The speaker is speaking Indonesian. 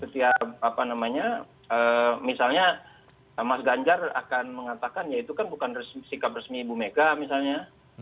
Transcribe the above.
setiap apa namanya misalnya mas ganjar akan mengatakan ya itu kan bukan sikap resmi ibu mega misalnya